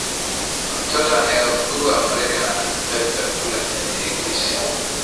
mtoto anayeugua malaria anahitaji chakula chenye lishe